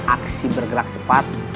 aksi bergerak cepat